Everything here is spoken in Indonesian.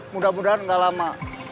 mudah mudahan nggak lama